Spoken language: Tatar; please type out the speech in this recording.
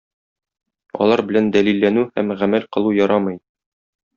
Алар белән дәлилләнү һәм гамәл кылу ярамый.